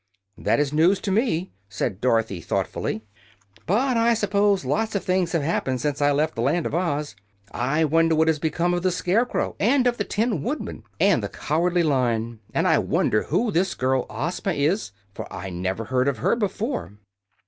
"That is news to me," said Dorothy, thoughtfully. "But I s'pose lots of things have happened since I left the Land of Oz. I wonder what has become of the Scarecrow, and of the Tin Woodman, and the Cowardly Lion. And I wonder who this girl Ozma is, for I never heard of her before."